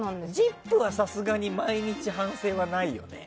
「ＺＩＰ！」はさすがに毎日反省はないよね。